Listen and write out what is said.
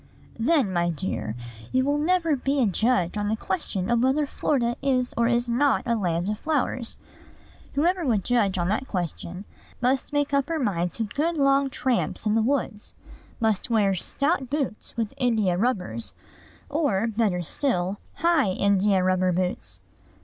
"Then, my dear, you will never be a judge on the question whether Florida is or is not a land of flowers. Whoever would judge on that question must make up her mind to good long tramps in the woods; must wear stout boots, with India rubbers, or, better still, high India rubber boots.